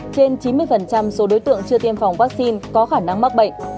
trên chín mươi số đối tượng chưa tiêm phòng vaccine có khả năng mắc bệnh